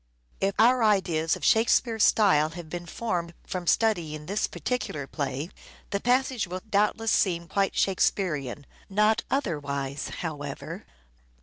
If our ideas of Shakespeare's style have been formed from studying this particular play, the passage will doubtless seem quite Shakespearean : not otherwise,, however.